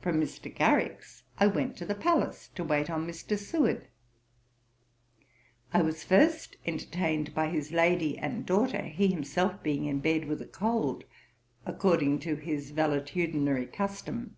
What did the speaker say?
From Mr. Garrick's, I went to the Palace to wait on Mr. Seward. I was first entertained by his lady and daughter, he himself being in bed with a cold, according to his valetudinary custom.